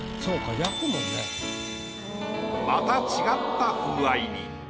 また違った風合いに。